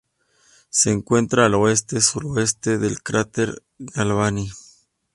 Se encuentra al oeste-suroeste del cráter Galvani.